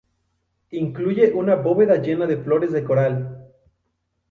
Incluye una bóveda llena de flores de coral.